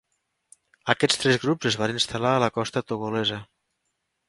Aquests tres grups es van instal·lar a la costa togolesa.